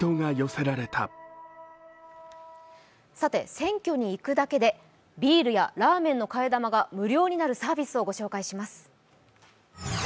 選挙に行くだけでラーメンの替え玉やビールが無料になるサービスをご紹介します。